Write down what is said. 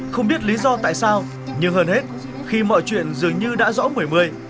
không biết lý do tại sao nhưng hơn hết khi mọi chuyện dường như đã rõ mười mười